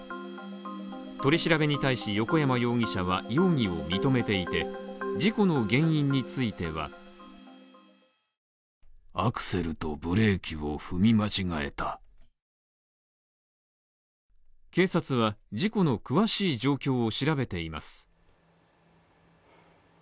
取り調べに対し横山容疑者は容疑を認めていて、事故の原因については警察は事故の詳しい状況を調べています。